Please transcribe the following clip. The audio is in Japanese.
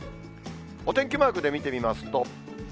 お天気マークで見てみますと。